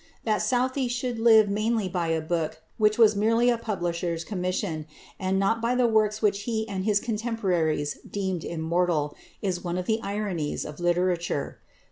That Southey should live mainly by a book which was merely a publisher's commission, and not by the works which he and his contemporaries deemed immortal, is one of the ironies of literature.